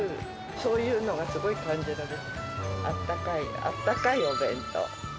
そういうのがすごい感じられて、あったかい、あったかいお弁当。